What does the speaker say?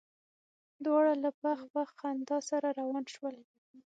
دواړه له پخ پخ خندا سره روان شول.